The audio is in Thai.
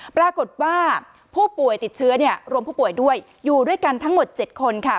ปรากฏว่าผู้ป่วยติดเชื้อเนี่ยรวมผู้ป่วยด้วยอยู่ด้วยกันทั้งหมด๗คนค่ะ